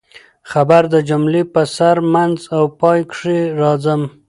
خبر د جملې په سر، منځ او پای کښي راځي.